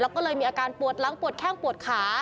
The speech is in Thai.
แล้วก็เลยมีอาการปวดหลังปวดแข้งปวดขา